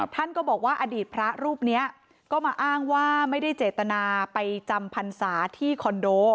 ท่านก็บอกว่าอดีตพระรูปนี้ก็มาอ้างว่าไม่ได้เจตนาไปจำพรรษาที่คอนโด